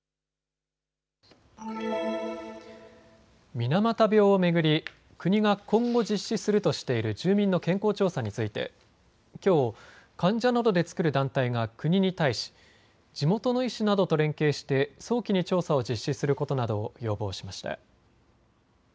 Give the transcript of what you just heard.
水俣病を巡り国が今後、実施するとしている住民の健康調査についてきょう患者などで作る団体が国に対し地元の医師などと連携して早期に調査を実施することなどを要望しました。